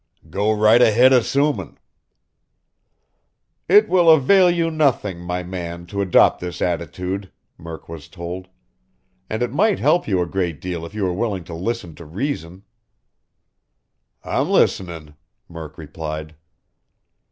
"Go right ahead assumin'." "It will avail you nothing, my man, to adopt this attitude," Murk was told. "And it might help you a great deal if you are willing to listen to reason." "I'm listenin'," Murk replied.